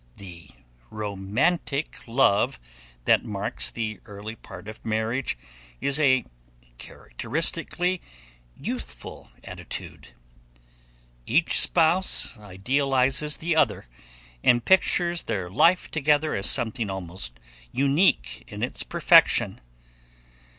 The romantic love that marks the early part of marriage is a characteristically youthful attitude. Each spouse idealizes the other and pictures their life together as something almost unique in its perfection.